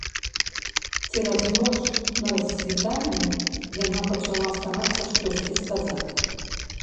Цераз ноч на рассвітанні яна пачала старацца штосьці сказаць.